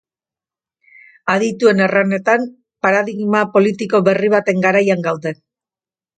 Adituen erranetan, paradigma politiko berri baten garaian gaude.